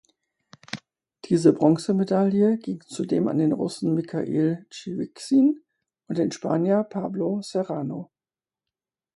Diese Bronzemedaille ging zudem an den Russen Michail Tschiwiksin und den Spanier Pablo Serrano.